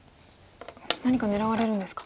何か狙われるんですか。